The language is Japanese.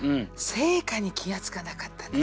「生家」に気が付かなかった私。